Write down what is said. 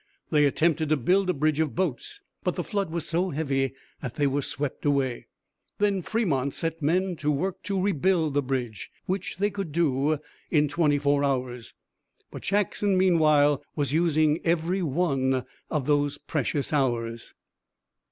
They attempted to build a bridge of boats, but the flood was so heavy that they were swept away. Then Fremont set men to work to rebuild the bridge, which they could do in twenty four hours, but Jackson, meanwhile, was using every one of those precious hours.